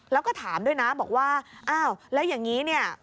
แล้วก็ถามด้วยนะบอกว่าอ้าวแล้วอย่างนี้เนี่ย